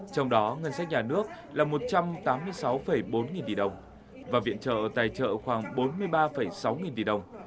trong đó ngân sách nhà nước là một trăm tám mươi sáu bốn nghìn tỷ đồng và viện trợ tài trợ khoảng bốn mươi ba sáu nghìn tỷ đồng